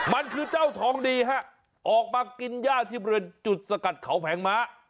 มันคือเจ้าทองดีฮะออกมากินย่าที่บริเวณจุดสกัดเขาแผงม้า